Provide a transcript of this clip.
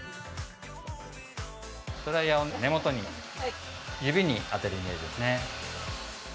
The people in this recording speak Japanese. ドライヤーを根元に指に当てるイメージですね。